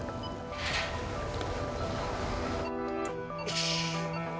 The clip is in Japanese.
よし。